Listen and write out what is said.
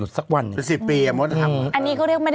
ถ้าพักทั้งคืนเฉย